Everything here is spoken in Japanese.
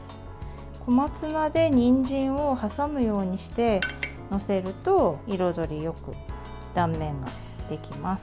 小松菜で、にんじんを挟むようにして載せると彩りよく断面ができます。